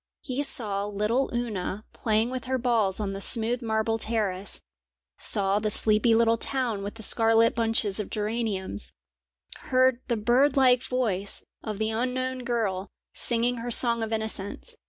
He saw little Oona playing with her balls on the smooth marble terrace, saw the sleepy little town with the scarlet bunches of geraniums, heard the bird like voice of the unknown girl singing her song of innocence.